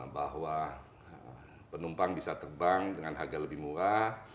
bahwa penumpang bisa terbang dengan harga lebih murah